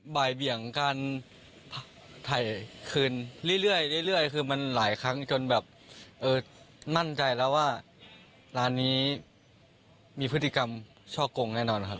บ่ายเบี่ยงการถ่ายคืนเรื่อยคือมันหลายครั้งจนแบบเออมั่นใจแล้วว่าร้านนี้มีพฤติกรรมช่อกงแน่นอนครับ